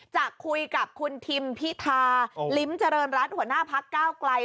จะคุยกับคุณทิมพิธาลิ้มเจริญรัฐหัวหน้าพักก้าวไกล